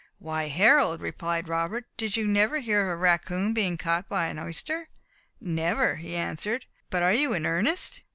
"Why, Harold," replied Robert, "did you never hear of a raccoon being caught by an oyster?" "Never," he answered; "but are you in earnest?"